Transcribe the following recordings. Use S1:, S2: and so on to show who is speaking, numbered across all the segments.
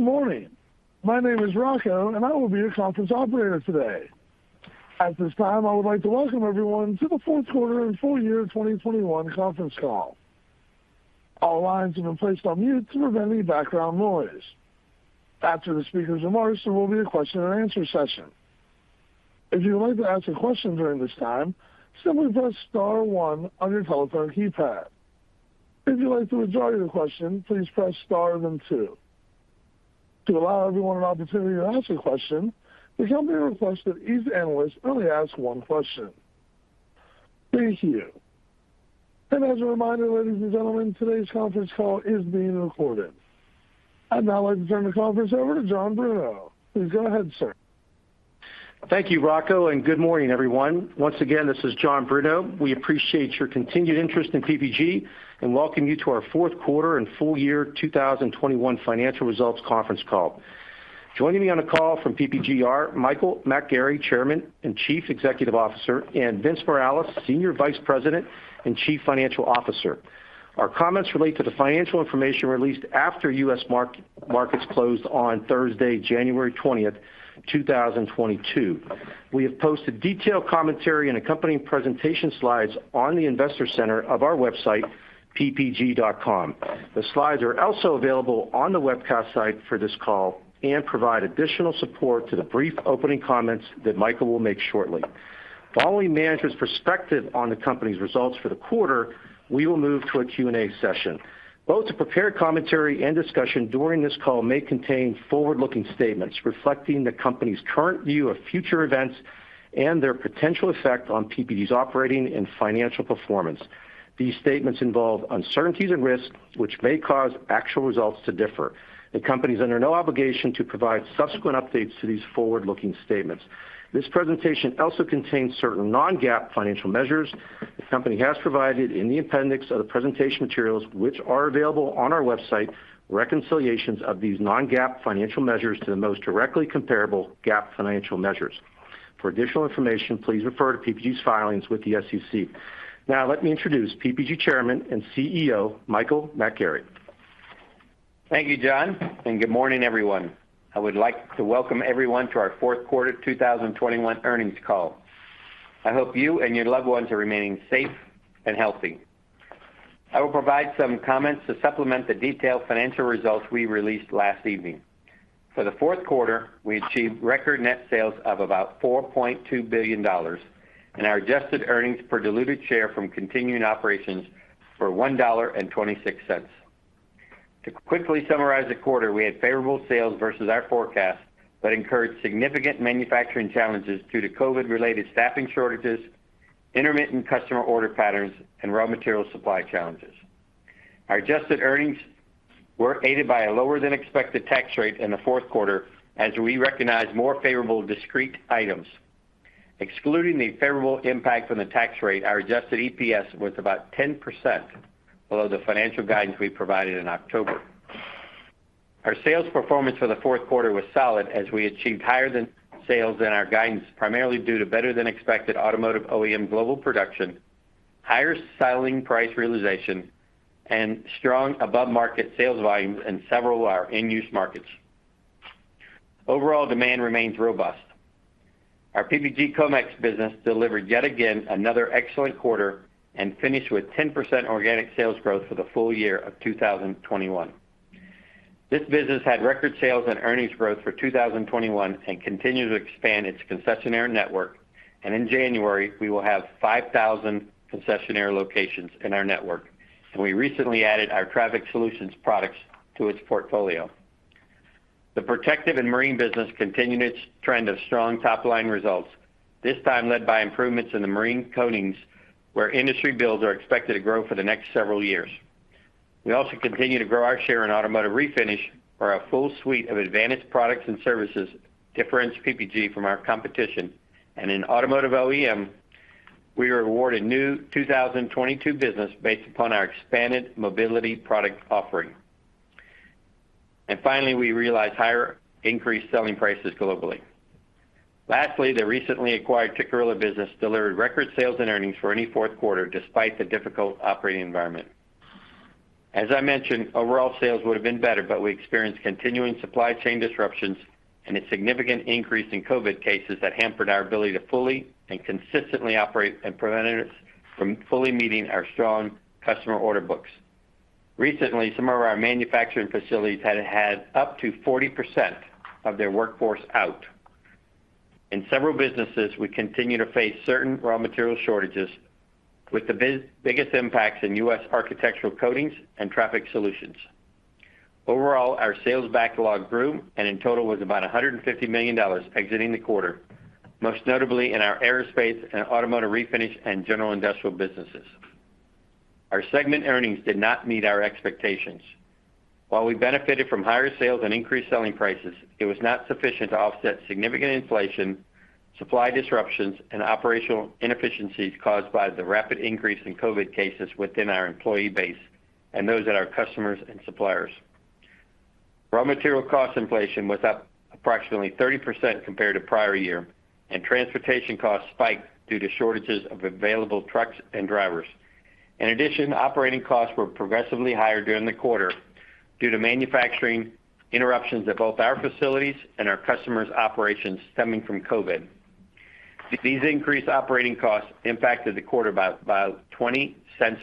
S1: Good morning. My name is Rocco, and I will be your conference operator today. At this time, I would like to welcome everyone to the fourth quarter and full year 2021 conference call. All lines have been placed on mute to prevent any background noise. After the speaker's remarks, there will be a question-and-answer session. If you would like to ask a question during this time, simply press star one on your telephone keypad. If you'd like to withdraw your question, please press star then two. To allow everyone an opportunity to ask a question, we kindly request that each analyst only ask one question. Thank you. As a reminder, ladies and gentlemen, today's conference call is being recorded. I'd now like to turn the conference over to John Bruno. Please go ahead, sir.
S2: Thank you, Rocco, and good morning, everyone. Once again, this is John Bruno. We appreciate your continued interest in PPG, and welcome you to our fourth quarter and full year 2021 financial results conference call. Joining me on the call from PPG are Michael McGarry, Chairman and Chief Executive Officer, and Vince Morales, Senior Vice President and Chief Financial Officer. Our comments relate to the financial information released after U.S. markets closed on Thursday, January 20, 2022. We have posted detailed commentary and accompanying presentation slides on the investor center of our website, ppg.com. The slides are also available on the webcast site for this call and provide additional support to the brief opening comments that Michael will make shortly. Following management's perspective on the company's results for the quarter, we will move to a Q&A session. Both the prepared commentary and discussion during this call may contain forward-looking statements reflecting the company's current view of future events and their potential effect on PPG's operating and financial performance. These statements involve uncertainties and risks, which may cause actual results to differ. The company is under no obligation to provide subsequent updates to these forward-looking statements. This presentation also contains certain non-GAAP financial measures. The company has provided, in the appendix of the presentation materials, which are available on our website, reconciliations of these non-GAAP financial measures to the most directly comparable GAAP financial measures. For additional information, please refer to PPG's filings with the SEC. Now let me introduce PPG Chairman and CEO, Michael McGarry.
S3: Thank you, John, and good morning, everyone. I would like to welcome everyone to our fourth quarter 2021 earnings call. I hope you and your loved ones are remaining safe and healthy. I will provide some comments to supplement the detailed financial results we released last evening. For the fourth quarter, we achieved record net sales of about $4.2 billion and our adjusted earnings per diluted share from continuing operations of $1.26. To quickly summarize the quarter, we had favorable sales versus our forecast that encountered significant manufacturing challenges due to COVID-related staffing shortages, intermittent customer order patterns, and raw material supply challenges. Our adjusted earnings were aided by a lower than expected tax rate in the fourth quarter as we recognized more favorable discrete items. Excluding the favorable impact from the tax rate, our adjusted EPS was about 10% below the financial guidance we provided in October. Our sales performance for the fourth quarter was solid as we achieved higher sales than our guidance, primarily due to better than expected automotive OEM global production, higher selling price realization, and strong above-market sales volumes in several of our in-use markets. Overall demand remains robust. Our PPG Comex business delivered yet again another excellent quarter and finished with 10% organic sales growth for the full year of 2021. This business had record sales and earnings growth for 2021 and continued to expand its concessionaire network. In January, we will have 5,000 concessionaire locations in our network. We recently added our Traffic Solutions products to its portfolio. The protective and marine business continued its trend of strong top-line results. This time led by improvements in the marine coatings, where industry builds are expected to grow for the next several years. We also continue to grow our share in automotive refinish, where our full suite of advanced products and services differentiate PPG from our competition. In automotive OEM, we were awarded new 2022 business based upon our expanded mobility product offering. Finally, we realized higher increased selling prices globally. Lastly, the recently acquired Tikkurila business delivered record sales and earnings for any fourth quarter despite the difficult operating environment. As I mentioned, overall sales would have been better, but we experienced continuing supply chain disruptions and a significant increase in COVID cases that hampered our ability to fully and consistently operate and prevented us from fully meeting our strong customer order books. Recently, some of our manufacturing facilities had up to 40% of their workforce out. In several businesses, we continue to face certain raw material shortages, with the biggest impacts in U.S. architectural coatings and Traffic Solutions. Overall, our sales backlog grew, and in total was about $150 million exiting the quarter, most notably in our aerospace and automotive refinish and general industrial businesses. Our segment earnings did not meet our expectations. While we benefited from higher sales and increased selling prices, it was not sufficient to offset significant inflation, supply disruptions, and operational inefficiencies caused by the rapid increase in COVID cases within our employee base and those at our customers and suppliers. Raw material cost inflation was up approximately 30% compared to prior year, and transportation costs spiked due to shortages of available trucks and drivers. In addition, operating costs were progressively higher during the quarter due to manufacturing interruptions at both our facilities and our customers' operations stemming from COVID. These increased operating costs impacted the quarter by $0.20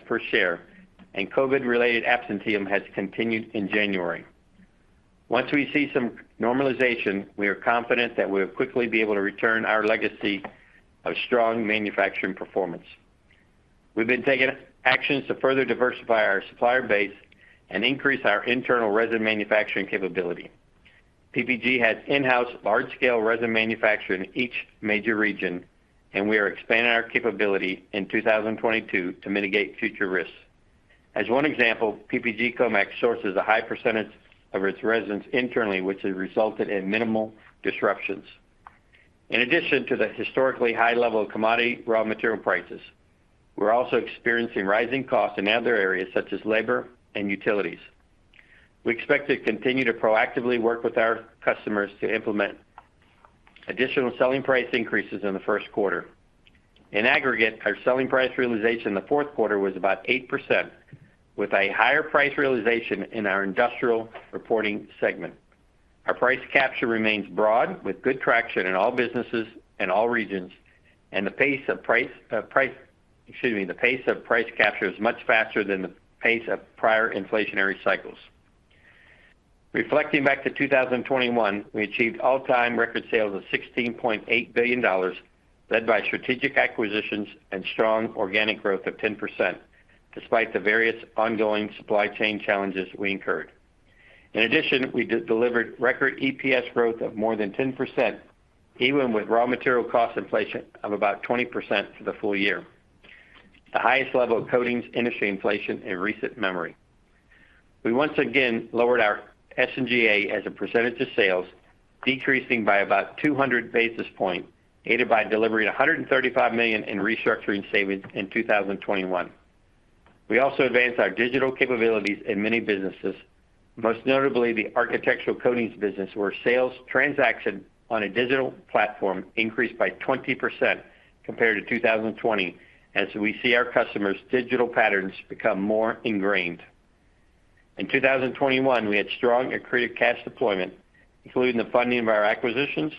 S3: per share, and COVID-related absenteeism has continued in January. Once we see some normalization, we are confident that we'll quickly be able to return our legacy of strong manufacturing performance. We've been taking actions to further diversify our supplier base and increase our internal resin manufacturing capability. PPG has in-house large-scale resin manufacture in each major region, and we are expanding our capability in 2022 to mitigate future risks. As one example, PPG Comex sources a high percentage of its resins internally, which has resulted in minimal disruptions. In addition to the historically high level of commodity raw material prices, we're also experiencing rising costs in other areas such as labor and utilities. We expect to continue to proactively work with our customers to implement additional selling price increases in the first quarter. In aggregate, our selling price realization in the fourth quarter was about 8%, with a higher price realization in our industrial reporting segment. Our price capture remains broad, with good traction in all businesses and all regions, and the pace of price capture is much faster than the pace of prior inflationary cycles. Reflecting back to 2021, we achieved all-time record sales of $16.8 billion, led by strategic acquisitions and strong organic growth of 10% despite the various ongoing supply chain challenges we incurred. In addition, we delivered record EPS growth of more than 10%, even with raw material cost inflation of about 20% for the full year, the highest level of coatings industry inflation in recent memory. We once again lowered our SG&A as a percentage of sales, decreasing by about 200 basis points, aided by delivering $135 million in restructuring savings in 2021. We also advanced our digital capabilities in many businesses, most notably the architectural coatings business, where sales transaction on a digital platform increased by 20% compared to 2020, as we see our customers' digital patterns become more ingrained. In 2021, we had strong accretive cash deployment, including the funding of our acquisitions,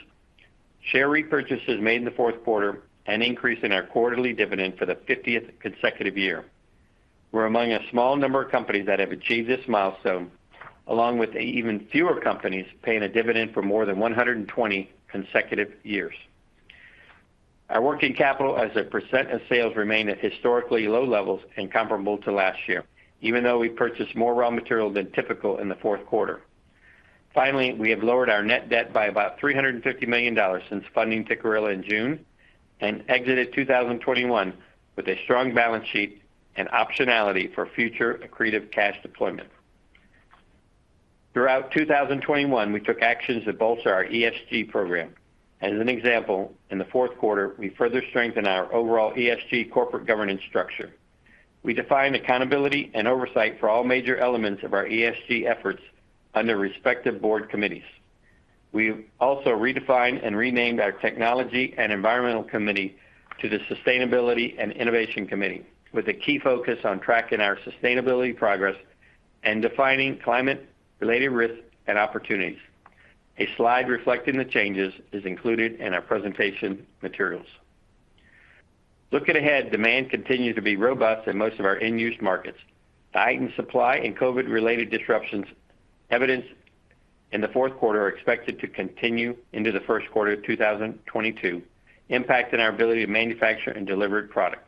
S3: share repurchases made in the fourth quarter, and increase in our quarterly dividend for the 50th consecutive year. We're among a small number of companies that have achieved this milestone, along with even fewer companies paying a dividend for more than 120 consecutive years. Our working capital as a % of sales remained at historically low levels and comparable to last year, even though we purchased more raw material than typical in the fourth quarter. Finally, we have lowered our net debt by about $350 million since funding Tikkurila in June and exited 2021 with a strong balance sheet and optionality for future accretive cash deployment. Throughout 2021, we took actions that bolster our ESG program. As an example, in the fourth quarter, we further strengthened our overall ESG corporate governance structure. We defined accountability and oversight for all major elements of our ESG efforts under respective board committees. We also redefined and renamed our technology and environmental committee to the Sustainability and Innovation Committee, with a key focus on tracking our sustainability progress and defining climate-related risks and opportunities. A slide reflecting the changes is included in our presentation materials. Looking ahead, demand continues to be robust in most of our end-use markets. Tightened supply and COVID-related disruptions evidenced in the fourth quarter are expected to continue into the first quarter of 2022, impacting our ability to manufacture and deliver product.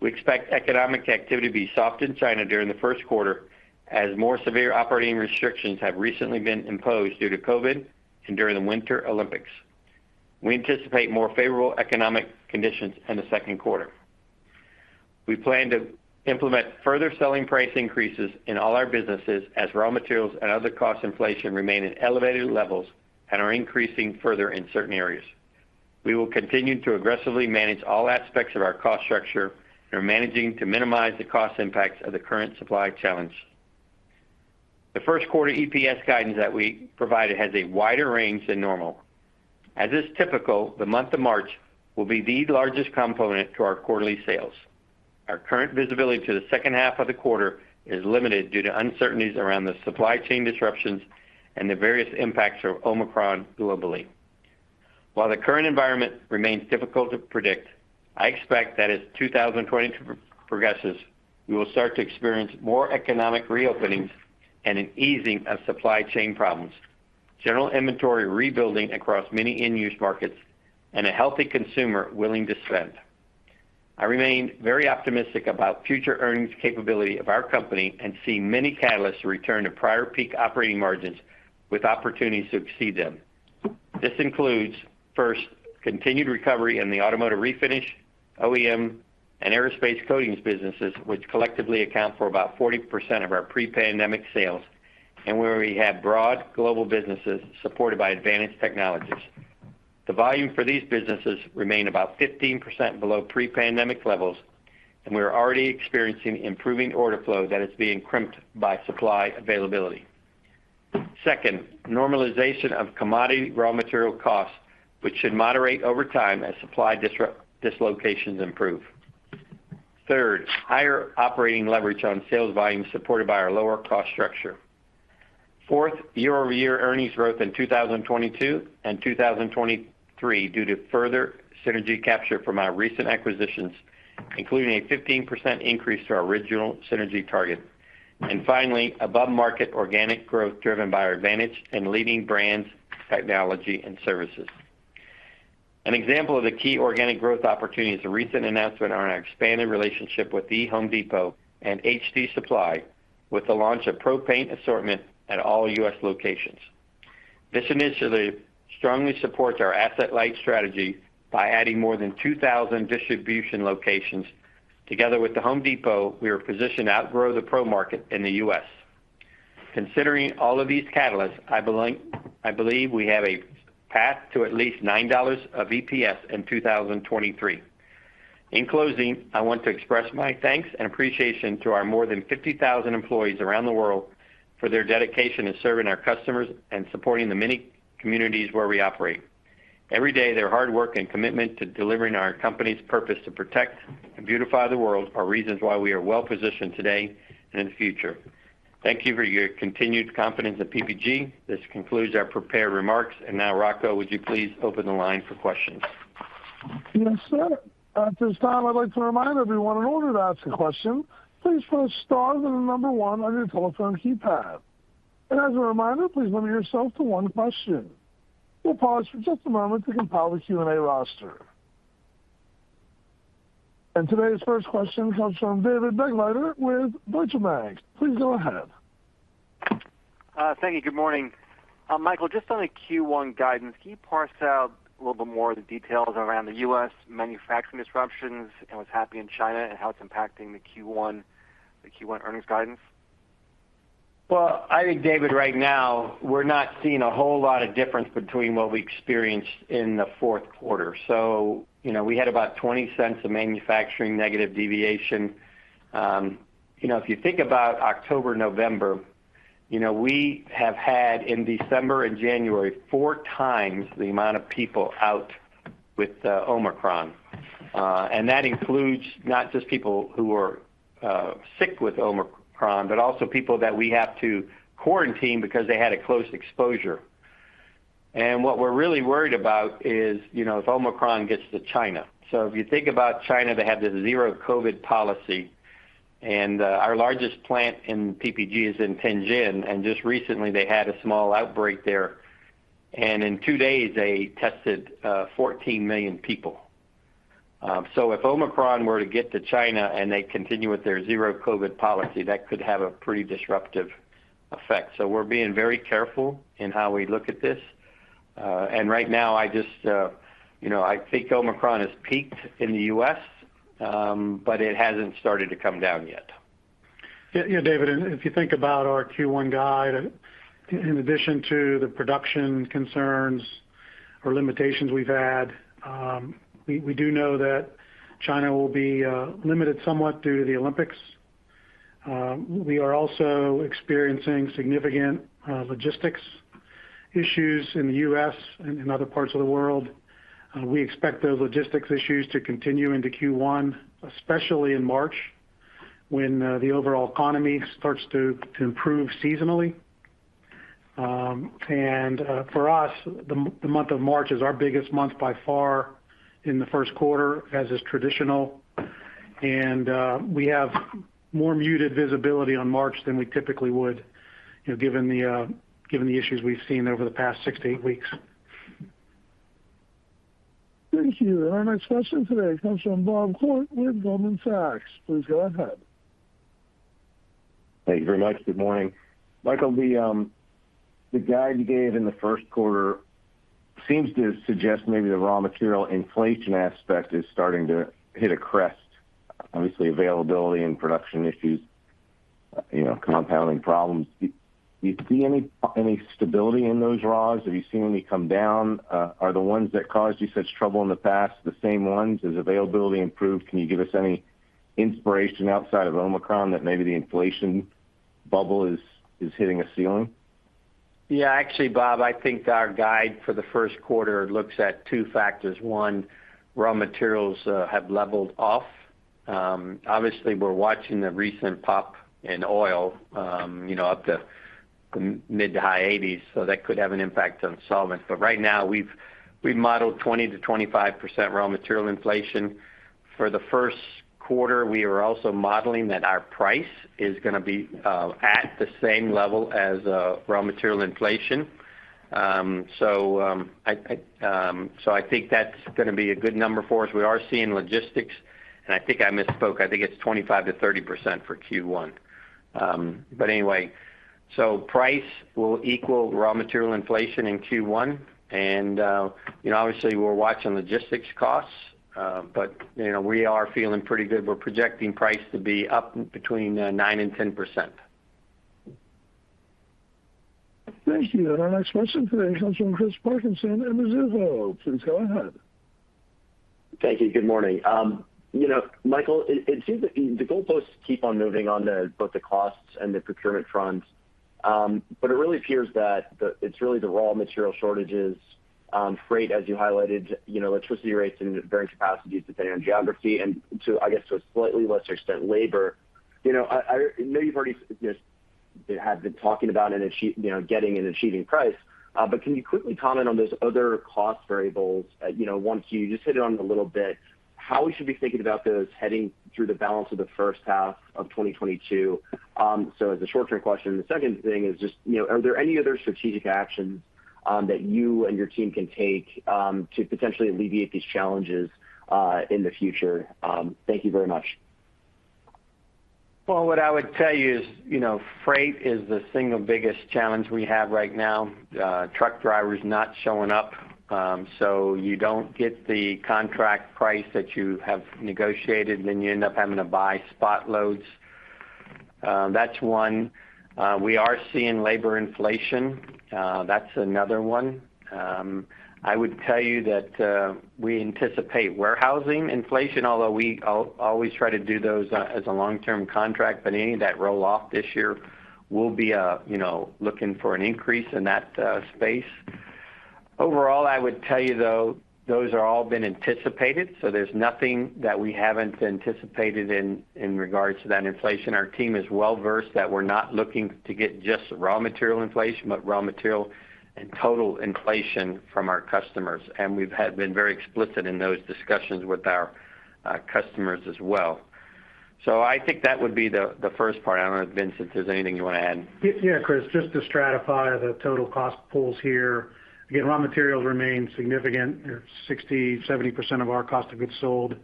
S3: We expect economic activity to be soft in China during the first quarter as more severe operating restrictions have recently been imposed due to COVID and during the Winter Olympics. We anticipate more favorable economic conditions in the second quarter. We plan to implement further selling price increases in all our businesses as raw materials and other cost inflation remain at elevated levels and are increasing further in certain areas. We will continue to aggressively manage all aspects of our cost structure and are managing to minimize the cost impacts of the current supply challenge. The first quarter EPS guidance that we provided has a wider range than normal. As is typical, the month of March will be the largest component to our quarterly sales. Our current visibility to the second half of the quarter is limited due to uncertainties around the supply chain disruptions and the various impacts of Omicron globally. While the current environment remains difficult to predict, I expect that as 2022 progresses, we will start to experience more economic reopenings and an easing of supply chain problems, general inventory rebuilding across many end-use markets, and a healthy consumer willing to spend. I remain very optimistic about future earnings capability of our company and see many catalysts to return to prior peak operating margins with opportunities to exceed them. This includes, first, continued recovery in the automotive refinish, OEM, and aerospace coatings businesses, which collectively account for about 40% of our pre-pandemic sales and where we have broad global businesses supported by advanced technologies. The volume for these businesses remain about 15% below pre-pandemic levels, and we are already experiencing improving order flow that is being crimped by supply availability. Second, normalization of commodity raw material costs, which should moderate over time as supply dislocations improve. Third, higher operating leverage on sales volume supported by our lower cost structure. Fourth, year-over-year earnings growth in 2022 and 2023 due to further synergy capture from our recent acquisitions, including a 15% increase to our original synergy target. Finally, above market organic growth driven by our advantage and leading brands, technology and services. An example of the key organic growth opportunity is the recent announcement on our expanded relationship with The Home Depot and HD Supply with the launch of pro paint assortment at all U.S. locations. This initiative strongly supports our asset-light strategy by adding more than 2,000 distribution locations. Together with The Home Depot, we are positioned to outgrow the pro market in the U.S. Considering all of these catalysts, I believe we have a path to at least $9 of EPS in 2023. In closing, I want to express my thanks and appreciation to our more than 50,000 employees around the world for their dedication in serving our customers and supporting the many communities where we operate. Every day, their hard work and commitment to delivering our company's purpose to protect and beautify the world are reasons why we are well positioned today and in the future. Thank you for your continued confidence at PPG. This concludes our prepared remarks. Now, Rocco, would you please open the line for questions?
S1: Yes, sir. At this time, I'd like to remind everyone, in order to ask a question, please press star then the number 1 on your telephone keypad. As a reminder, please limit yourself to one question. We'll pause for just a moment to compile a Q&A roster. Today's first question comes from David Begleiter with Deutsche Bank. Please go ahead.
S4: Thank you. Good morning. Michael, just on the Q1 guidance, can you parse out a little bit more of the details around the U.S. manufacturing disruptions and what's happening in China and how it's impacting the Q1 earnings guidance?
S3: Well, I think, David, right now, we're not seeing a whole lot of difference between what we experienced in the fourth quarter. You know, we had about $0.20 of manufacturing negative deviation. You know, if you think about October, November, you know, we have had, in December and January, four times the amount of people out with Omicron. That includes not just people who are sick with Omicron, but also people that we have to quarantine because they had a close exposure. What we're really worried about is, you know, if Omicron gets to China. If you think about China, they have the zero COVID policy, and our largest plant in PPG is in Tianjin, and just recently they had a small outbreak there. In two days, they tested 14 million people. If Omicron were to get to China and they continue with their zero COVID policy, that could have a pretty disruptive effect. We're being very careful in how we look at this. Right now, I just, you know, I think Omicron has peaked in the U.S., but it hasn't started to come down yet.
S5: Yeah, David, if you think about our Q1 guide, in addition to the production concerns or limitations we've had, we do know that China will be limited somewhat due to the Olympics. We are also experiencing significant logistics issues in the U.S. and in other parts of the world. We expect those logistics issues to continue into Q1, especially in March, when the overall economy starts to improve seasonally. For us, the month of March is our biggest month by far in the first quarter, as is traditional. We have more muted visibility on March than we typically would, you know, given the issues we've seen over the past six-eight weeks.
S1: Thank you. Our next question today comes from Bob Koort with Goldman Sachs. Please go ahead.
S6: Thank you very much. Good morning. Michael, the guide you gave in the first quarter seems to suggest maybe the raw material inflation aspect is starting to hit a crest. Obviously, availability and production issues, you know, compounding problems. Do you see any stability in those raws? Have you seen any come down? Are the ones that caused you such trouble in the past the same ones? Has availability improved? Can you give us any inspiration outside of Omicron that maybe the inflation bubble is hitting a ceiling?
S3: Yeah, actually, Bob, I think our guide for the first quarter looks at two factors. One, raw materials have leveled off. Obviously we're watching the recent pop in oil, you know, up to mid- to high 80s, so that could have an impact on solvents. But right now we've modeled 20%-25% raw material inflation. For the first quarter, we are also modeling that our price is gonna be at the same level as raw material inflation. I think that's gonna be a good number for us. We are seeing logistics, and I think I misspoke. I think it's 25%-30% for Q1. But anyway. Price will equal raw material inflation in Q1. You know, obviously we're watching logistics costs. You know, we are feeling pretty good. We're projecting price to be up between 9% and 10%.
S1: Thank you. Our next question today comes from Chris Parkinson at Mizuho. Please go ahead.
S7: Thank you. Good morning. You know, Michael, it seems that the goalposts keep on moving on both the costs and the procurement fronts. It really appears that it's really the raw material shortages, freight as you highlighted, you know, electricity rates in varying capacities depending on geography. I guess, to a slightly lesser extent, labor. You know, maybe you've already just have been talking about getting and achieving price. Can you quickly comment on those other cost variables? You know, want you to just hit on them a little bit, how we should be thinking about those heading through the balance of the first half of 2022. As a short-term question. The second thing is just, you know, are there any other strategic actions that you and your team can take to potentially alleviate these challenges in the future? Thank you very much.
S3: Well, what I would tell you is, you know, freight is the single biggest challenge we have right now. Truck drivers not showing up, so you don't get the contract price that you have negotiated, and then you end up having to buy spot loads. That's one. We are seeing labor inflation. That's another one. I would tell you that we anticipate warehousing inflation, although we always try to do those as a long-term contract, but any that roll off this year will be looking for an increase in that space. Overall, I would tell you, though, those are all been anticipated, so there's nothing that we haven't anticipated in regards to that inflation. Our team is well-versed that we're not looking to get just raw material inflation, but raw material and total inflation from our customers. We've had been very explicit in those discussions with our customers as well. I think that would be the first part. I don't know if Vincent, there's anything you wanna add.
S5: Yeah, Chris, just to stratify the total cost pools here. Again, raw materials remain significant. They're 60%-70% of our cost of goods sold.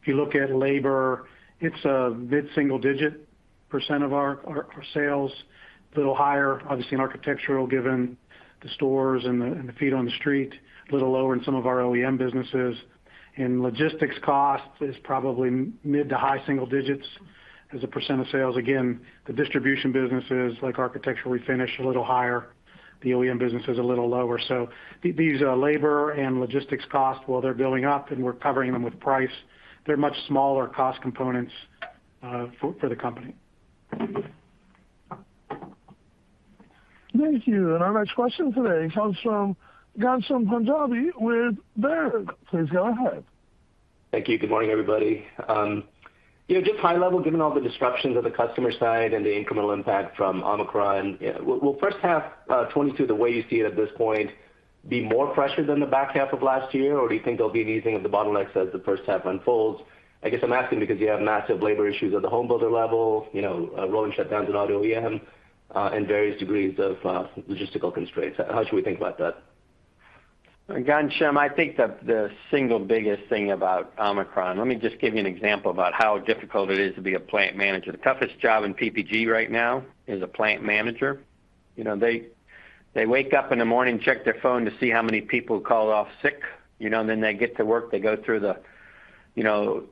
S5: If you look at labor, it's a mid-single-digit % of our sales. A little higher, obviously in architectural, given the stores and the feet on the street. A little lower in some of our OEM businesses. In logistics costs, it's probably mid- to high single digits as a % of sales. Again, the distribution businesses like architectural refinish, a little higher. The OEM business is a little lower. These labor and logistics costs, while they're building up and we're covering them with price, they're much smaller cost components for the company.
S1: Thank you. Our next question today comes from Ghansham Panjabi with Baird. Please go ahead.
S8: Thank you. Good morning, everybody. You know, just high level, given all the disruptions of the customer side and the incremental impact from Omicron, will first half, 2022, the way you see it at this point be more pressured than the back half of last year? Or do you think there'll be an easing of the bottlenecks as the first half unfolds? I guess I'm asking because you have massive labor issues at the home builder level, you know, rolling shutdowns in auto OEM, and various degrees of logistical constraints. How should we think about that?
S3: Ghansham, I think the single biggest thing about Omicron. Let me just give you an example about how difficult it is to be a plant manager. The toughest job in PPG right now is a plant manager. You know, they wake up in the morning, check their phone to see how many people called off sick. You know, and then they get to work, they go through the, you know,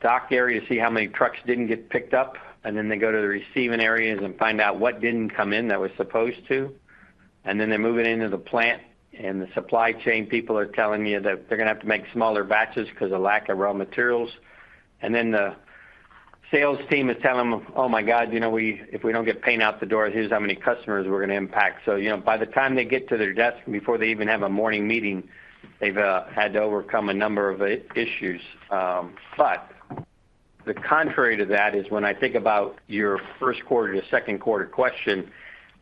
S3: dock area to see how many trucks didn't get picked up. They go to the receiving areas and find out what didn't come in that was supposed to. They're moving into the plant, and the supply chain people are telling you that they're gonna have to make smaller batches 'cause of lack of raw materials. The sales team is telling them, "Oh my God, you know, if we don't get paint out the door, here's how many customers we're gonna impact." You know, by the time they get to their desk, before they even have a morning meeting, they've had to overcome a number of issues. The contrary to that is when I think about your first quarter to second quarter question,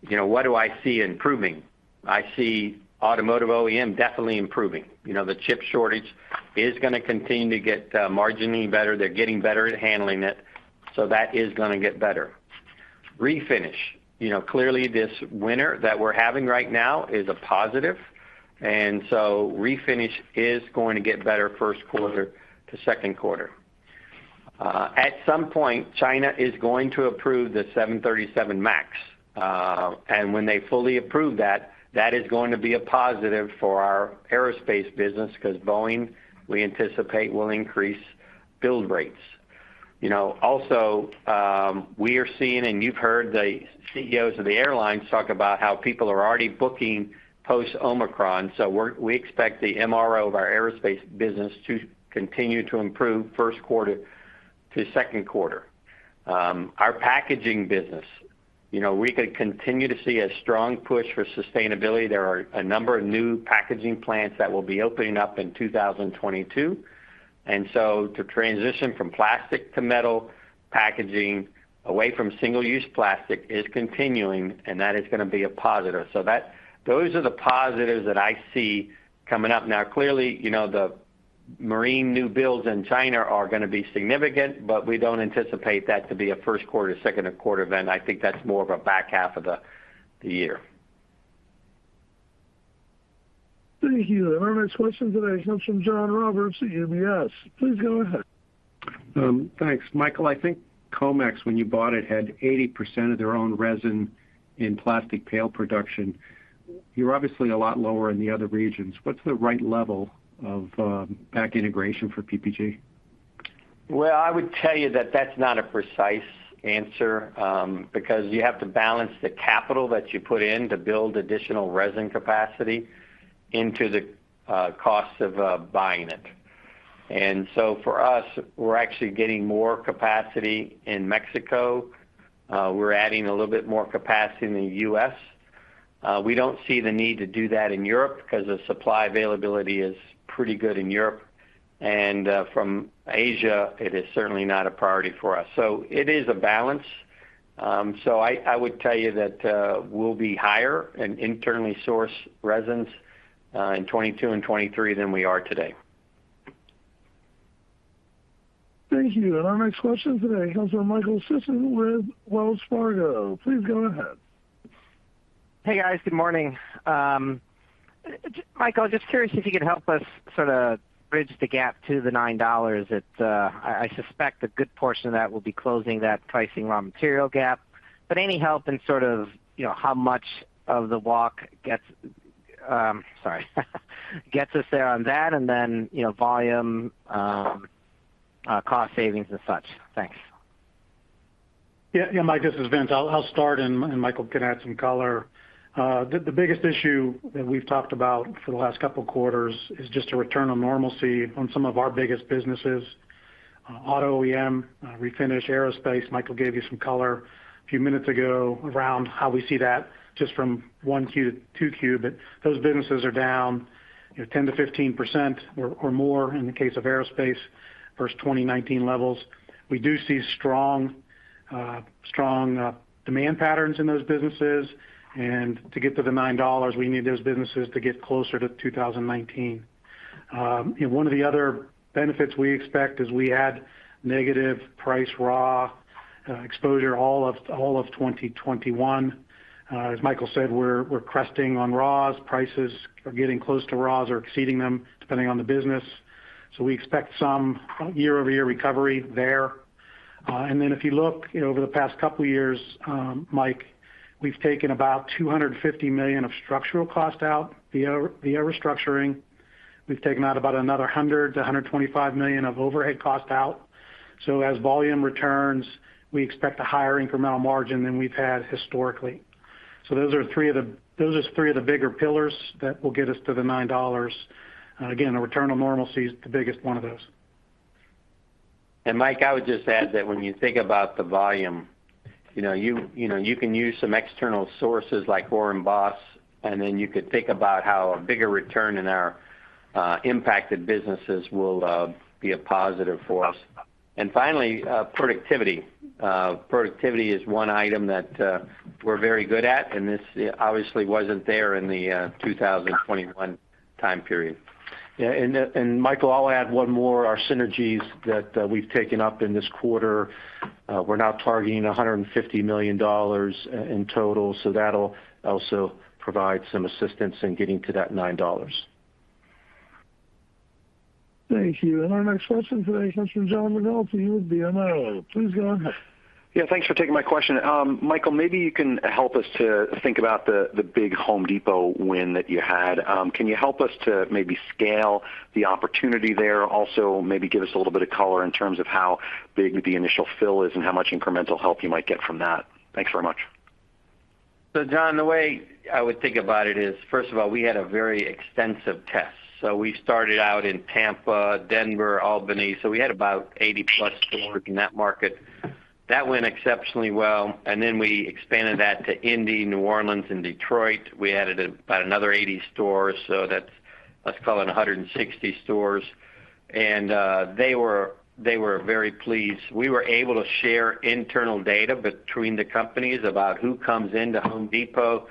S3: you know, what do I see improving? I see automotive OEM definitely improving. You know, the chip shortage is gonna continue to get margins better. They're getting better at handling it, so that is gonna get better. Refinish. You know, clearly this winter that we're having right now is a positive, and so refinish is going to get better first quarter to second quarter. At some point, China is going to approve the 737 MAX. And when they fully approve that is going to be a positive for our aerospace business 'cause Boeing, we anticipate, will increase build rates. You know, also, we are seeing, and you've heard the CEOs of the airlines talk about how people are already booking post Omicron. We expect the MRO of our aerospace business to continue to improve first quarter to second quarter. Our packaging business. You know, we could continue to see a strong push for sustainability. There are a number of new packaging plants that will be opening up in 2022. To transition from plastic to metal packaging, away from single-use plastic is continuing, and that is gonna be a positive. Those are the positives that I see coming up. Now, clearly, you know, the marine new builds in China are gonna be significant, but we don't anticipate that to be a first quarter, second quarter event. I think that's more of a back half of the year.
S1: Thank you. Our next question today comes from John Roberts at UBS. Please go ahead.
S9: Thanks. Michael, I think Comex, when you bought it, had 80% of their own resin in plastic pail production. You're obviously a lot lower in the other regions. What's the right level of backward integration for PPG?
S3: Well, I would tell you that that's not a precise answer, because you have to balance the capital that you put in to build additional resin capacity into the cost of buying it. For us, we're actually getting more capacity in Mexico. We're adding a little bit more capacity in the U.S. We don't see the need to do that in Europe 'cause the supply availability is pretty good in Europe. From Asia, it is certainly not a priority for us. It is a balance. I would tell you that we'll be higher in internally sourced resins in 2022 and 2023 than we are today.
S1: Thank you. Our next question today comes from Michael Sison with Wells Fargo. Please go ahead.
S10: Hey, guys. Good morning. Michael, just curious if you could help us sorta bridge the gap to the $9 that I suspect a good portion of that will be closing that pricing raw material gap. Any help in sort of, you know, how much of the walk gets us there on that, and then, you know, volume, cost savings and such. Thanks.
S5: Yeah, yeah, Mike, this is Vince. I'll start and Michael can add some color. The biggest issue that we've talked about for the last couple quarters is just a return to normalcy on some of our biggest businesses. Auto OEM, Refinish, Aerospace, Michael gave you some color a few minutes ago around how we see that just from 1Q to 2Q. Those businesses are down, you know, 10%-15% or more in the case of Aerospace versus 2019 levels. We do see strong demand patterns in those businesses, and to get to the $9, we need those businesses to get closer to 2019. You know, one of the other benefits we expect is we had negative price/raw exposure all of 2021. As Michael said, we're crossing on raws. Prices are getting close to raws or exceeding them depending on the business. We expect some year-over-year recovery there. Then if you look, you know, over the past couple years, Mike, we've taken about $250 million of structural cost out via restructuring. We've taken out about another $100 million-$125 million of overhead cost out. As volume returns, we expect a higher incremental margin than we've had historically. Those are three of the bigger pillars that will get us to the $9. Again, a return on normalcy is the biggest one of those.
S3: Mike, I would just add that when you think about the volume, you know, you can use some external sources like IHS Markit, and then you could think about how a bigger return in our impacted businesses will be a positive for us. Finally, productivity is one item that we're very good at, and this obviously wasn't there in the 2021 time period.
S5: Yeah. Michael, I'll add one more. Our synergies that we've taken up in this quarter, we're now targeting $150 million in total, so that'll also provide some assistance in getting to that $9.
S1: Thank you. Our next question today comes from John McNulty from BMO. Please go ahead.
S11: Yeah, thanks for taking my question. Michael, maybe you can help us to think about the big Home Depot win that you had. Can you help us to maybe scale the opportunity there? Also, maybe give us a little bit of color in terms of how big the initial fill is and how much incremental help you might get from that. Thanks very much.
S3: John, the way I would think about it is, first of all, we had a very extensive test. We started out in Tampa, Denver, Albany, so we had about 80-plus stores in that market. That went exceptionally well, and then we expanded that to Indy, New Orleans, and Detroit. We added about another 80 stores, so that's, let's call it 160 stores. They were very pleased. We were able to share internal data between the companies about who comes into Home Depot,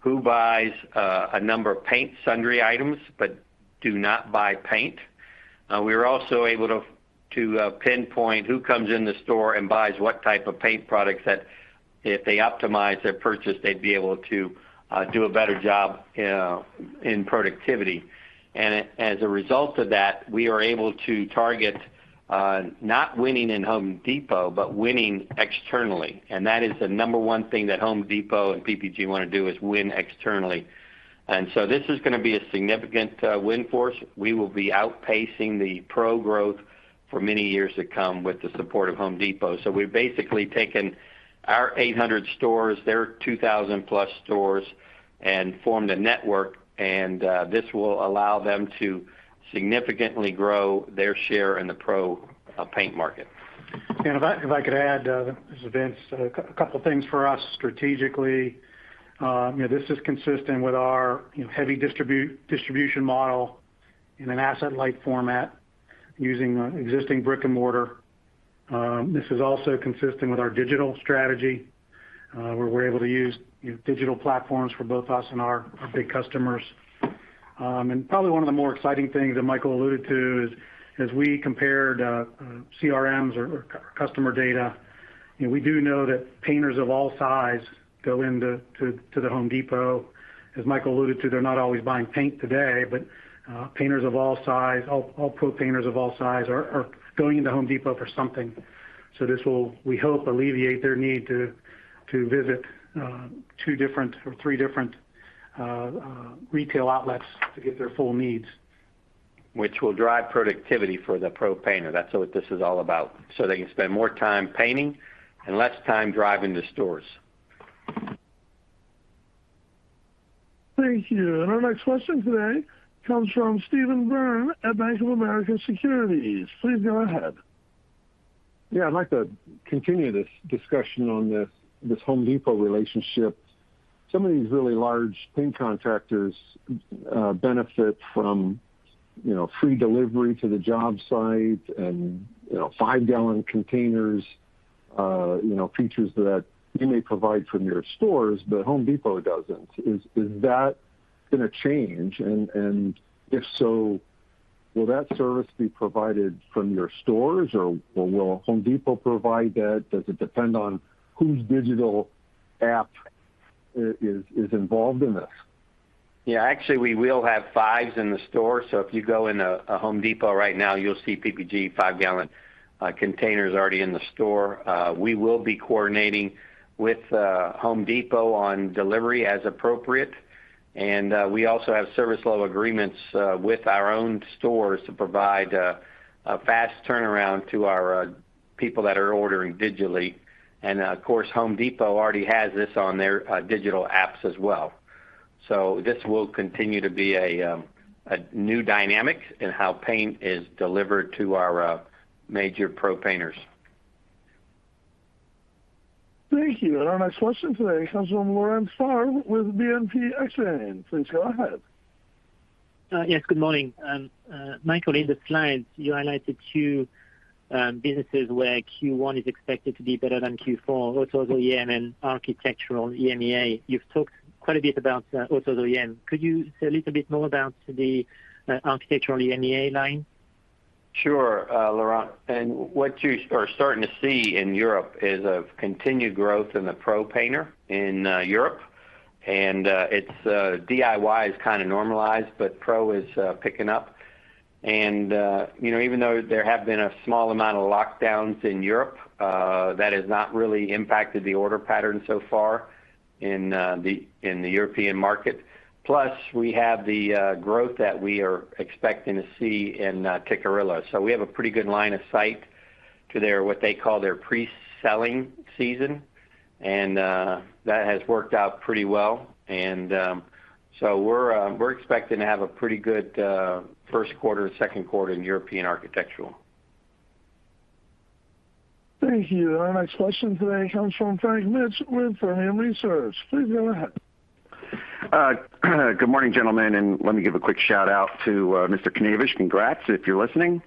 S3: who buys a number of paint and sundry items, but do not buy paint. We were also able to pinpoint who comes in the store and buys what type of paint products that if they optimize their purchase, they'd be able to do a better job in productivity. As a result of that, we are able to target not winning in Home Depot, but winning externally. That is the number one thing that Home Depot and PPG wanna do, is win externally. This is gonna be a significant win for us. We will be outpacing the pro growth for many years to come with the support of Home Depot. We've basically taken our 800 stores, their 2,000+ stores, and formed a network, and this will allow them to significantly grow their share in the pro paint market.
S5: If I could add, this is Vince. A couple things for us strategically. You know, this is consistent with our heavy distribution model in an asset-light format using existing brick-and-mortar. This is also consistent with our digital strategy, where we're able to use digital platforms for both us and our big customers. Probably one of the more exciting things that Michael alluded to is as we compared CRMs or customer data. You know, we do know that painters of all sizes go into the Home Depot. As Michael alluded to, they're not always buying paint today, but painters of all sizes, all pro painters of all sizes are going into Home Depot for something. This will, we hope, alleviate their need to visit two different or three different retail outlets to get their full needs.
S3: Which will drive productivity for the pro painter. That's what this is all about. They can spend more time painting and less time driving to stores.
S1: Thank you. Our next question today comes from Stephen Byrne at Bank of America Securities. Please go ahead.
S12: Yeah. I'd like to continue this discussion on this Home Depot relationship. Some of these really large paint contractors benefit from, you know, free delivery to the job site and, you know, five-gallon containers, you know, features that you may provide from your stores, but Home Depot doesn't. Is that gonna change? If so, will that service be provided from your stores, or will Home Depot provide that? Does it depend on whose digital app is involved in this?
S3: Yeah. Actually, we will have fives in the store. If you go in a Home Depot right now, you'll see PPG five-gallon containers already in the store. We will be coordinating with Home Depot on delivery as appropriate. We also have service level agreements with our own stores to provide a fast turnaround to our people that are ordering digitally. Of course, Home Depot already has this on their digital apps as well. This will continue to be a new dynamic in how paint is delivered to our major pro painters.
S1: Thank you. Our next question today comes from Laurent Favre with Exane BNP Paribas. Please go ahead.
S13: Yes, good morning. Michael, in the slides, you highlighted two businesses where Q1 is expected to be better than Q4, Autos OEM and Architectural EMEA. You've talked quite a bit about Autos OEM. Could you say a little bit more about the Architectural EMEA line?
S3: Sure, Laurent. What you are starting to see in Europe is a continued growth in the pro painter in Europe. DIY is kind of normalized, but pro is picking up. You know, even though there have been a small amount of lockdowns in Europe, that has not really impacted the order pattern so far in the European market. We have the growth that we are expecting to see in Tikkurila. We have a pretty good line of sight to their what they call their pre-selling season, and that has worked out pretty well. We're expecting to have a pretty good first quarter, second quarter in European architectural.
S1: Thank you. Our next question today comes from Frank Mitsch with Fermium Research. Please go ahead.
S14: Good morning, gentlemen, and let me give a quick shout-out to Mr. Knavish. Congrats, if you're listening.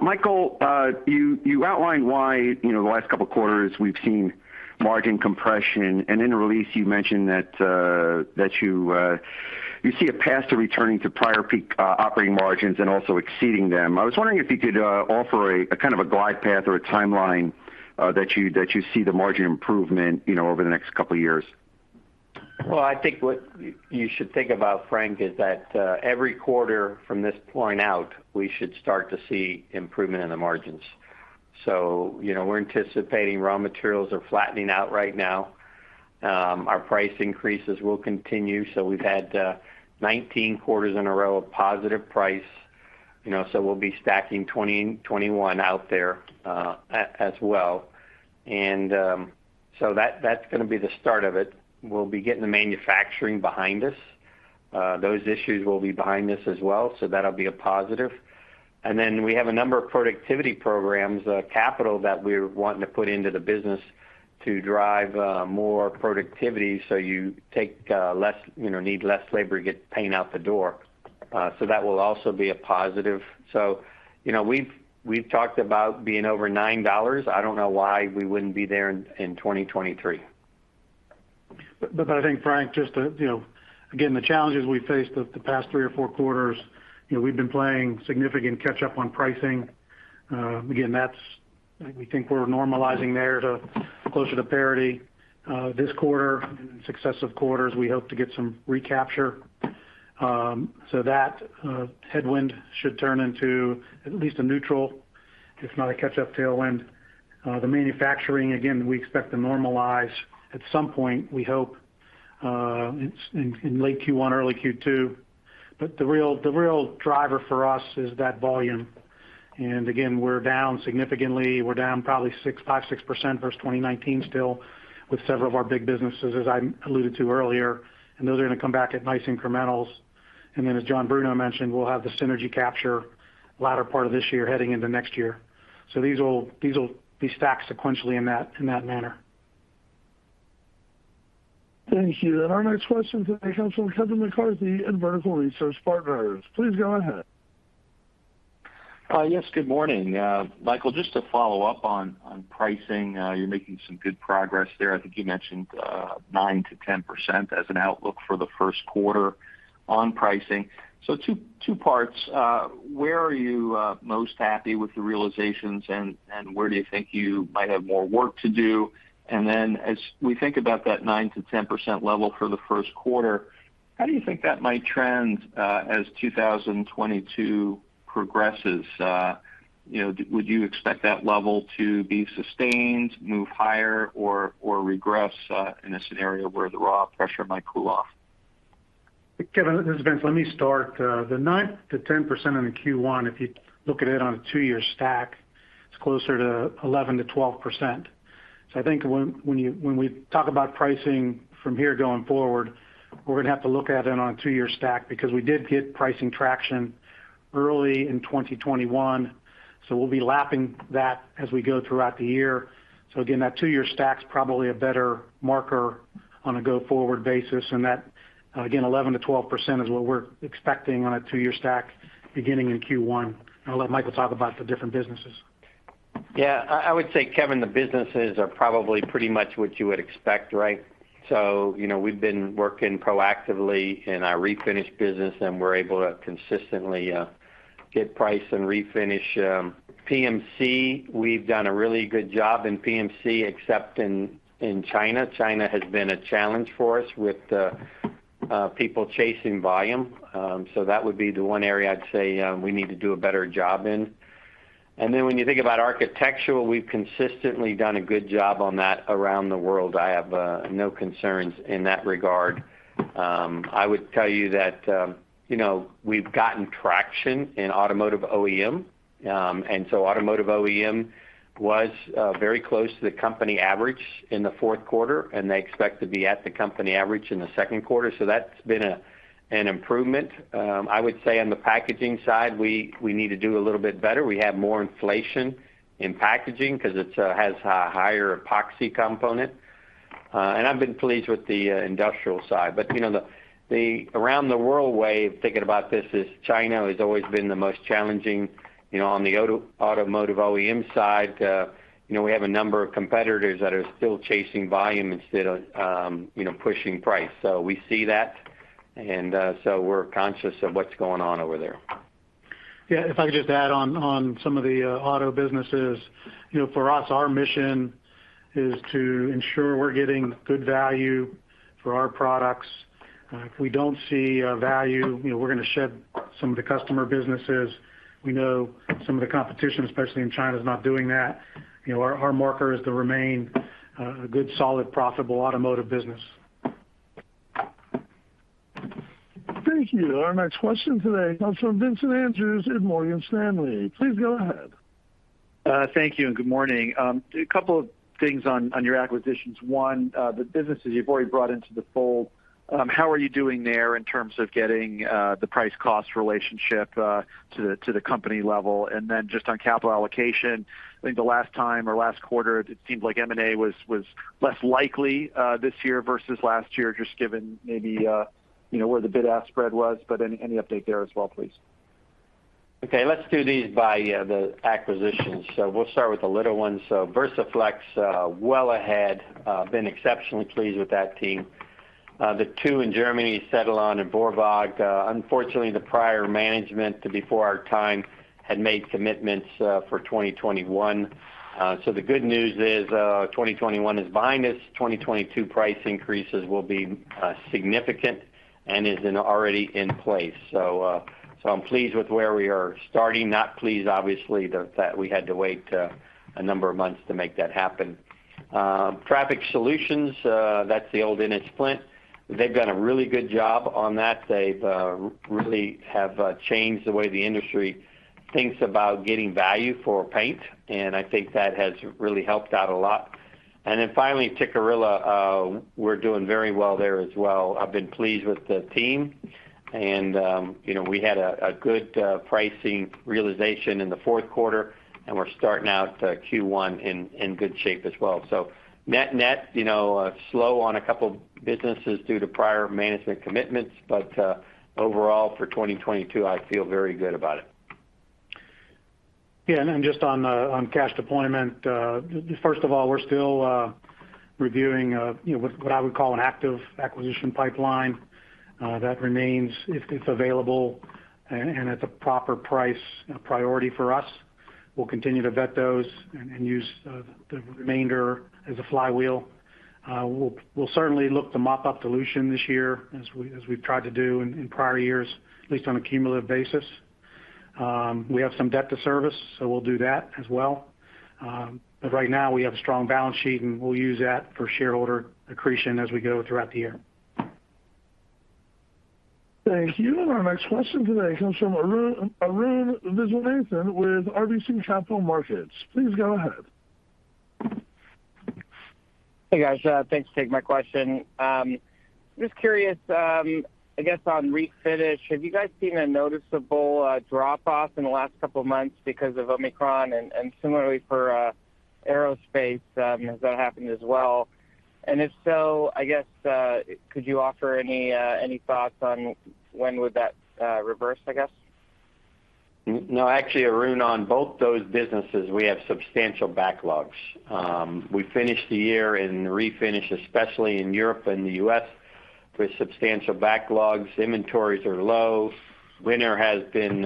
S14: Michael, you outlined why, you know, the last couple quarters we've seen margin compression. In the release you mentioned that you see a path to returning to prior peak operating margins and also exceeding them. I was wondering if you could offer a kind of glide path or a timeline that you see the margin improvement, you know, over the next couple of years.
S3: Well, I think what you should think about, Frank, is that every quarter from this point out, we should start to see improvement in the margins. You know, we're anticipating raw materials are flattening out right now. Our price increases will continue. We've had 19 quarters in a row of positive price, you know. We'll be stacking 2021 out there as well. That's gonna be the start of it. We'll be getting the manufacturing behind us. Those issues will be behind us as well, so that'll be a positive. Then we have a number of productivity programs, capital that we're wanting to put into the business to drive more productivity, so you take less, you know, need less labor to get paint out the door. That will also be a positive. You know, we've talked about being over $9. I don't know why we wouldn't be there in 2023.
S5: I think, Frank, just to, you know, again, the challenges we faced the past three or four quarters, you know, we've been playing significant catch-up on pricing. Again, that's, we think we're normalizing there to closer to parity, this quarter and in successive quarters we hope to get some recapture. So that headwind should turn into at least a neutral, if not a catch-up tailwind. The manufacturing, again, we expect to normalize at some point. We hope in late Q1, early Q2. The real driver for us is that volume. Again, we're down significantly. We're down probably 5%-6% versus 2019 still with several of our big businesses, as I alluded to earlier, and those are gonna come back at nice incrementals. Then as John Bruno mentioned, we'll have the synergy capture latter part of this year heading into next year. These will be stacked sequentially in that manner.
S1: Thank you. Our next question today comes from Kevin McCarthy in Vertical Research Partners. Please go ahead.
S15: Yes, good morning. Michael, just to follow up on pricing, you're making some good progress there. I think you mentioned 9%-10% as an outlook for the first quarter on pricing. So two parts. Where are you most happy with the realizations, and where do you think you might have more work to do? Then as we think about that 9%-10% level for the first quarter, how do you think that might trend as 2022... progresses, you know, would you expect that level to be sustained, move higher, or regress, in a scenario where the raw pressure might cool off?
S5: Kevin, this is Vince. Let me start. The 9%-10% in the Q1, if you look at it on a two-year stack, it's closer to 11%-12%. I think when we talk about pricing from here going forward, we're gonna have to look at it on a two-year stack because we did get pricing traction early in 2021, so we'll be lapping that as we go throughout the year. Again, that two-year stack's probably a better marker on a go-forward basis. That, again, 11%-12% is what we're expecting on a two-year stack beginning in Q1. I'll let Michael talk about the different businesses.
S3: Yeah. I would say, Kevin, the businesses are probably pretty much what you would expect, right? You know, we've been working proactively in our refinish business, and we're able to consistently get price and refinish. PMC, we've done a really good job in PMC except in China. China has been a challenge for us with people chasing volume. That would be the one area I'd say we need to do a better job in. Then when you think about architectural, we've consistently done a good job on that around the world. I have no concerns in that regard. I would tell you that you know, we've gotten traction in automotive OEM. Automotive OEM was very close to the company average in the fourth quarter, and they expect to be at the company average in the second quarter. That's been an improvement. I would say on the packaging side, we need to do a little bit better. We have more inflation in packaging 'cause it has a higher epoxy component. I've been pleased with the industrial side. You know, the around the world way of thinking about this is China has always been the most challenging. You know, on the automotive OEM side, you know, we have a number of competitors that are still chasing volume instead of pushing price. We see that, and so we're conscious of what's going on over there.
S5: Yeah. If I could just add on some of the auto businesses. You know, for us, our mission is to ensure we're getting good value for our products. If we don't see value, you know, we're gonna shed some of the customer businesses. We know some of the competition, especially in China, is not doing that. You know, our mantra is to remain a good, solid, profitable automotive business.
S1: Thank you. Our next question today comes from Vincent Andrews at Morgan Stanley. Please go ahead.
S16: Thank you and good morning. A couple of things on your acquisitions. One, the businesses you've already brought into the fold, how are you doing there in terms of getting the price cost relationship to the company level? Just on capital allocation, I think the last time or last quarter, it seemed like M&A was less likely this year versus last year, just given maybe you know where the bid-ask spread was. Any update there as well, please?
S3: Okay, let's do these by the acquisitions. We'll start with the little ones. VersaFlex, well ahead, been exceptionally pleased with that team. The two in Germany, Cetelon and Wörwag, unfortunately the prior management before our time had made commitments for 2021. The good news is, 2021 is behind us. 2022 price increases will be significant and already in place. I'm pleased with where we are starting. Not pleased obviously that we had to wait a number of months to make that happen. Traffic Solutions, that's the old Ennis-Flint. They've done a really good job on that. They've really changed the way the industry thinks about getting value for paint, and I think that has really helped out a lot. Finally, Tikkurila, we're doing very well there as well. I've been pleased with the team, and you know, we had a good pricing realization in the fourth quarter, and we're starting out Q1 in good shape as well. Net-net, you know, slow on a couple businesses due to prior management commitments, but overall for 2022, I feel very good about it.
S5: Just on cash deployment, first of all, we're still reviewing, you know, what I would call an active acquisition pipeline that remains if available and at the proper price priority for us. We'll continue to vet those and use the remainder as a flywheel. We'll certainly look to mop up dilution this year as we've tried to do in prior years, at least on a cumulative basis. We have some debt to service, so we'll do that as well. Right now we have a strong balance sheet, and we'll use that for shareholder accretion as we go throughout the year.
S1: Thank you. Our next question today comes from Arun Viswanathan with RBC Capital Markets. Please go ahead.
S17: Hey, guys. Thanks for taking my question. Just curious, I guess on Refinish, have you guys seen a noticeable drop-off in the last couple of months because of Omicron? Similarly for Aerospace, has that happened as well? If so, I guess, could you offer any thoughts on when would that reverse, I guess?
S3: No. Actually, Arun, on both those businesses, we have substantial backlogs. We finished the year in Refinish, especially in Europe and the U.S. with substantial backlogs, inventories are low. Winter has been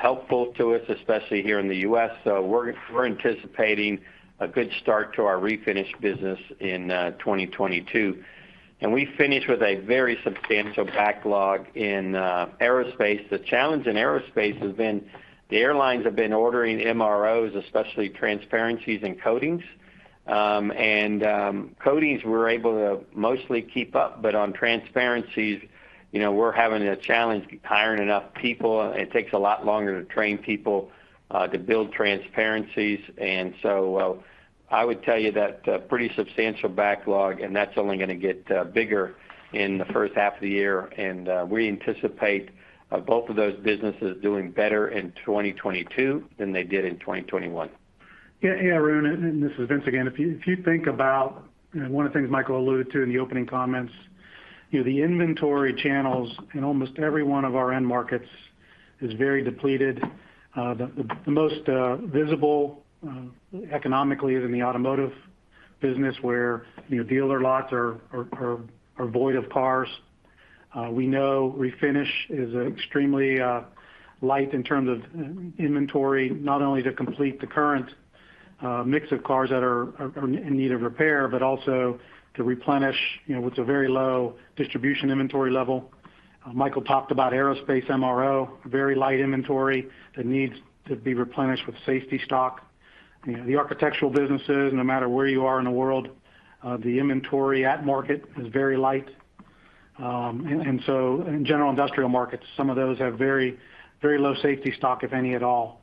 S3: helpful to us, especially here in the U.S. We're anticipating a good start to our refinish business in 2022. We finished with a very substantial backlog in Aerospace. The challenge in aerospace has been the airlines have been ordering MROs, especially transparencies and coatings we're able to mostly keep up, but on transparencies, you know, we're having a challenge hiring enough people. It takes a lot longer to train people to build transparencies. I would tell you that a pretty substantial backlog, and that's only gonna get bigger in the first half of the year. We anticipate both of those businesses doing better in 2022 than they did in 2021.
S5: Yeah, yeah, Arun, and this is Vince again. If you think about, you know, one of the things Michael alluded to in the opening comments, you know, the inventory channels in almost every one of our end markets is very depleted. The most visible economically is in the automotive business where, you know, dealer lots are void of cars. We know refinish is extremely light in terms of inventory, not only to complete the current mix of cars that are in need of repair, but also to replenish, you know, with a very low distribution inventory level. Michael talked about aerospace MRO, very light inventory that needs to be replenished with safety stock. You know, the architectural businesses, no matter where you are in the world, the inventory at market is very light. In general industrial markets, some of those have very, very low safety stock, if any at all.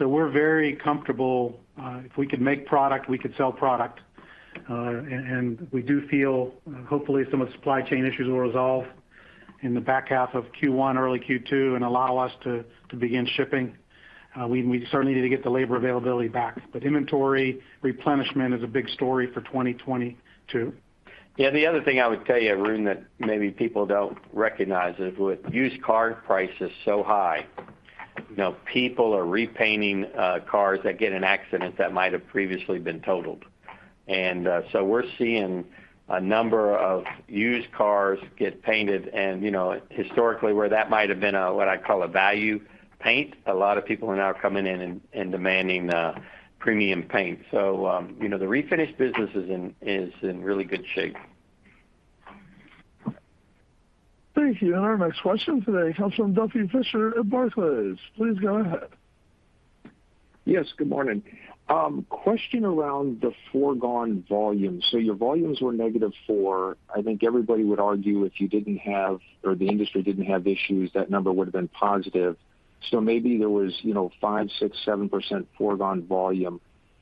S5: We're very comfortable if we could make product, we could sell product. We do feel hopefully some of the supply chain issues will resolve in the back half of Q1, early Q2, and allow us to begin shipping. We certainly need to get the labor availability back. Inventory replenishment is a big story for 2022.
S3: Yeah. The other thing I would tell you, Arun, that maybe people don't recognize is with used car prices so high, you know, people are repainting cars that get in accidents that might have previously been totaled. We're seeing a number of used cars get painted. You know, historically, where that might have been a what I call a value paint, a lot of people are now coming in and demanding premium paint. You know, the refinish business is in really good shape.
S1: Thank you. Our next question today comes from Duffy Fischer at Barclays. Please go ahead.
S18: Yes, good morning. Question around the foregone volume. Your volumes were negative 4. I think everybody would argue if you didn't have, or the industry didn't have issues, that number would have been positive. Maybe there was, you know, 5%, 6%, 7% foregone volume.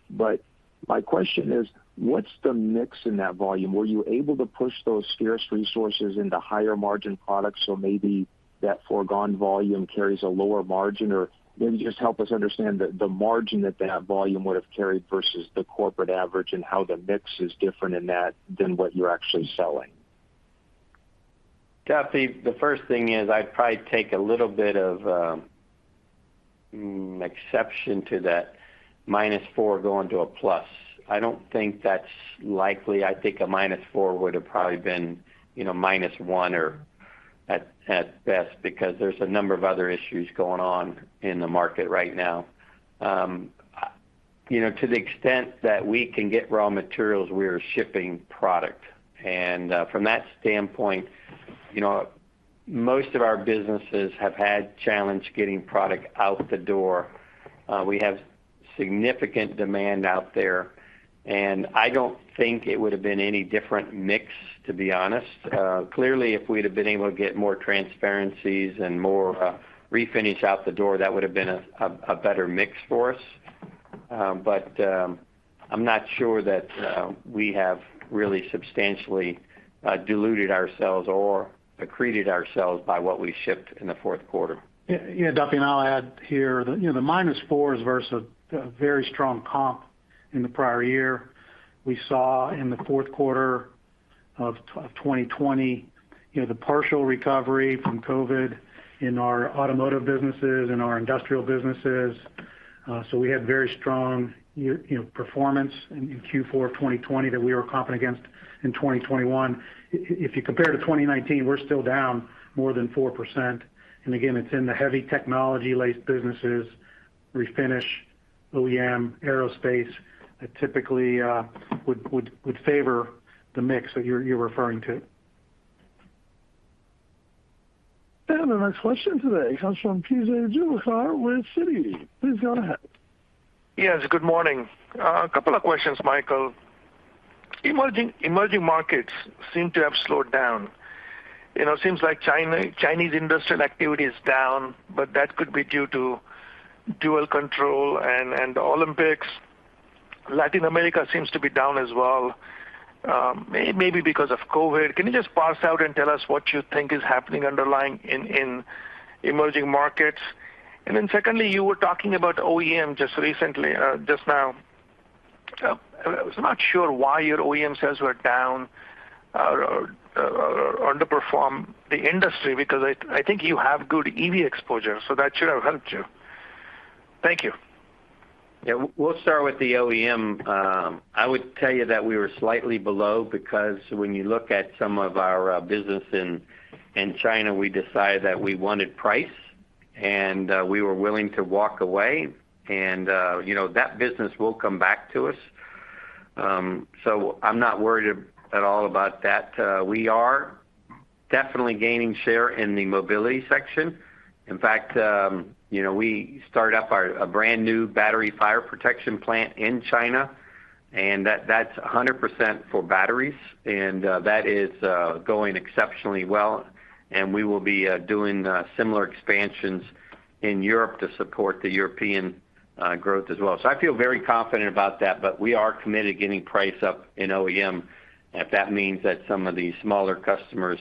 S18: My question is, what's the mix in that volume? Were you able to push those scarce resources into higher margin products, so maybe that foregone volume carries a lower margin? Or maybe just help us understand the margin that that volume would have carried versus the corporate average and how the mix is different in that than what you're actually selling.
S3: Duffy, the first thing is I'd probably take a little bit of exception to that -4% going to a +. I don't think that's likely. I think a -4% would have probably been, you know, -1% or at best, because there's a number of other issues going on in the market right now. You know, to the extent that we can get raw materials, we are shipping product. From that standpoint, you know, most of our businesses have had challenges getting product out the door. We have significant demand out there, and I don't think it would have been any different mix, to be honest. Clearly, if we'd have been able to get more transparents and more refinish out the door, that would have been a better mix for us. I'm not sure that we have really substantially diluted ourselves or accreted ourselves by what we shipped in the fourth quarter.
S5: Yeah. Yeah, Duffy, I'll add here. You know, the -4% is versus a very strong comp in the prior year. We saw in the fourth quarter of 2020, you know, the partial recovery from COVID in our automotive businesses, in our industrial businesses. We had very strong, you know, performance in Q4 of 2020 that we were comping against in 2021. If you compare to 2019, we're still down more than 4%. Again, it's in the heavy technology-laced businesses, refinish, OEM, aerospace, that typically would favor the mix that you're referring to.
S1: The next question today comes from P.J. Juvekar with Citi. Please go ahead.
S19: Yes, good morning. A couple of questions, Michael. Emerging markets seem to have slowed down. You know, seems like Chinese industrial activity is down, but that could be due to dual control and the Olympics. Latin America seems to be down as well, maybe because of COVID. Can you just parse out and tell us what you think is happening underlying in emerging markets? Secondly, you were talking about OEM just recently, just now. I was not sure why your OEM sales were down or underperformed the industry because I think you have good EV exposure, so that should have helped you. Thank you.
S3: Yeah. We'll start with the OEM. I would tell you that we were slightly below because when you look at some of our business in China, we decided that we wanted price and we were willing to walk away. You know, that business will come back to us. I'm not worried at all about that. We are definitely gaining share in the mobility section. In fact, you know, we started up a brand new battery fire protection plant in China, and that's 100% for batteries, and that is going exceptionally well. We will be doing similar expansions in Europe to support the European growth as well. I feel very confident about that. We are committed getting price up in OEM. If that means that some of the smaller customers,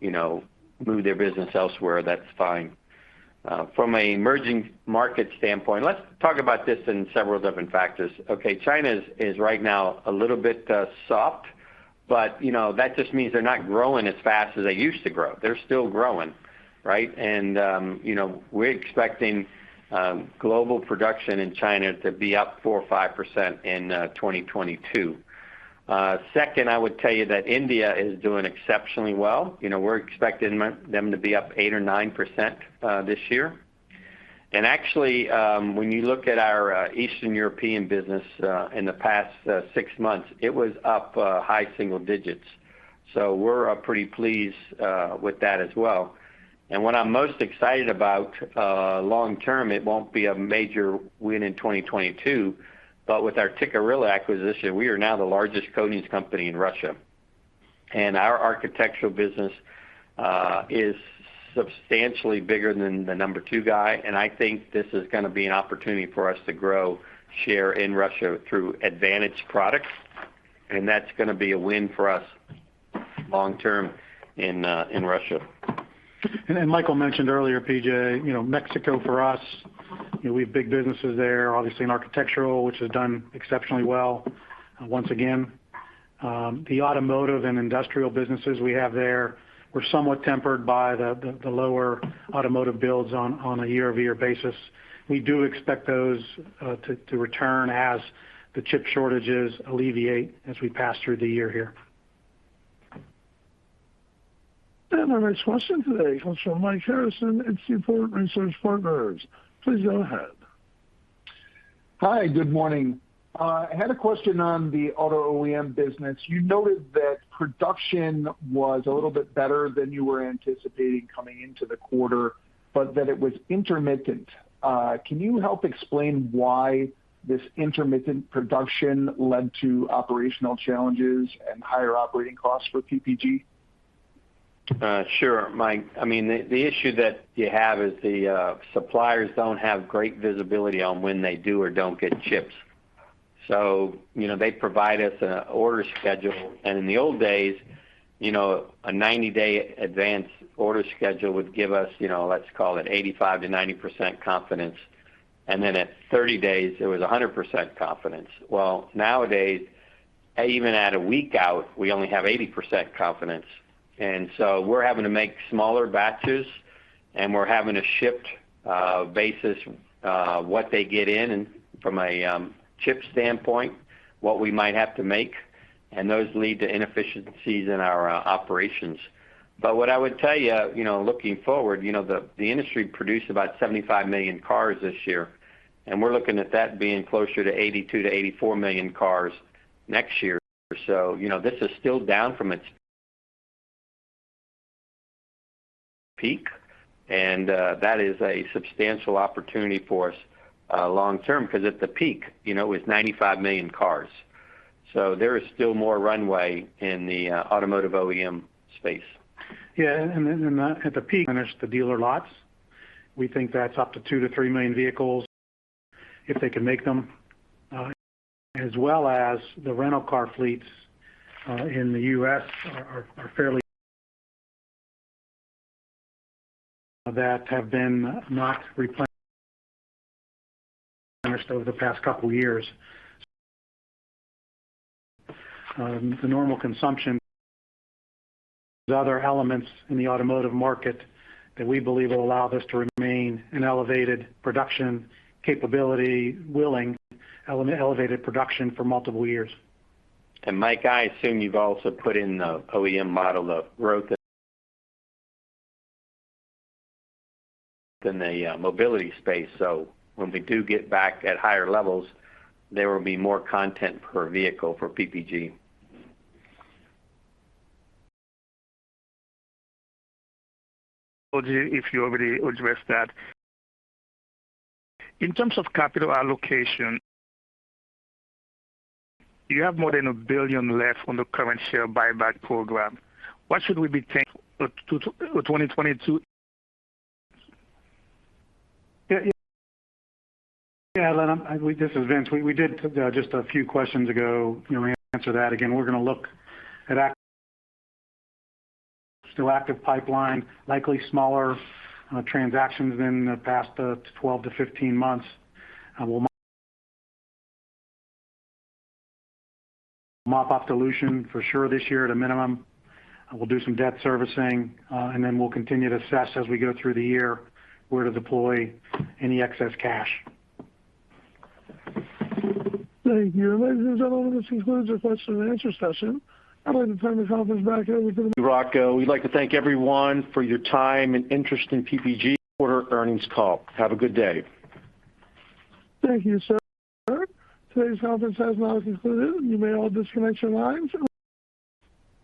S3: you know, move their business elsewhere, that's fine. From an emerging market standpoint, let's talk about this in several different factors. Okay. China is right now a little bit soft. You know, that just means they're not growing as fast as they used to grow. They're still growing, right? You know, we're expecting global production in China to be up 4% or 5% in 2022. Second, I would tell you that India is doing exceptionally well. You know, we're expecting them to be up 8% or 9% this year. Actually, when you look at our Eastern European business in the past six months, it was up high single digits, so we're pretty pleased with that as well. What I'm most excited about, long term, it won't be a major win in 2022, but with our Tikkurila acquisition, we are now the largest coatings company in Russia. Our architectural business is substantially bigger than the number two guy, and I think this is gonna be an opportunity for us to grow share in Russia through advantage products, and that's gonna be a win for us long term in Russia.
S5: Michael mentioned earlier, PJ, you know, Mexico for us, you know, we have big businesses there, obviously in architectural, which has done exceptionally well. Once again, the automotive and industrial businesses we have there were somewhat tempered by the lower automotive builds on a year-over-year basis. We do expect those to return as the chip shortages alleviate as we pass through the year here.
S1: Our next question today comes from Mike Harrison at Seaport Research Partners. Please go ahead.
S20: Hi. Good morning. I had a question on the auto OEM business. You noted that production was a little bit better than you were anticipating coming into the quarter, but that it was intermittent. Can you help explain why this intermittent production led to operational challenges and higher operating costs for PPG?
S3: Sure, Mike. I mean, the issue that you have is the suppliers don't have great visibility on when they do or don't get chips. So, you know, they provide us an order schedule. In the old days, you know, a 90-day advance order schedule would give us, you know, let's call it 85%-90% confidence. Then at 30 days, it was 100% confidence. Well, nowadays, even at a week out, we only have 80% confidence, and so we're having to make smaller batches, and we're having to ship basis what they get in and from a chip standpoint, what we might have to make, and those lead to inefficiencies in our operations. What I would tell you know, looking forward, you know, the industry produced about 75 million cars this year, and we're looking at that being closer to 82-84 million cars next year. You know, this is still down from its peak, and that is a substantial opportunity for us long term 'cause at the peak, you know, it was 95 million cars. So there is still more runway in the automotive OEM space.
S5: At the peak, there's the dealer lots. We think that's up to 2-3 million vehicles if they can make them, as well as the rental car fleets in the U.S. that have not been replenished over the past couple years. The normal consumption, other elements in the automotive market that we believe will allow this to remain an elevated production capability with elevated production for multiple years.
S3: Mike, I assume you've also put in the OEM model, the growth in the mobility space. When we do get back at higher levels, there will be more content per vehicle for PPG.
S20: If you already addressed that. In terms of capital allocation, you have more than $1 billion left on the current share buyback program. What should we be thinking 2022?
S5: Yeah, Alan, this is Vince. We did just a few questions ago, you know, answer that again. We're gonna look at still active pipeline, likely smaller transactions in the past 12-15 months. We'll mop up dilution for sure this year at a minimum. We'll do some debt servicing, and then we'll continue to assess as we go through the year where to deploy any excess cash.
S1: Thank you. Ladies and gentlemen, this concludes our question and answer session. I'd like to turn the conference back over to-
S2: We'd like to thank everyone for your time and interest in PPG's quarter earnings call. Have a good day.
S1: Thank you, sir. Today's conference has now concluded. You may all disconnect your lines.